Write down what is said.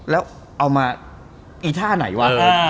แล้วเอามาอีท่าไหนวะ